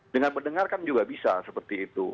dengan mendengarkan juga bisa seperti itu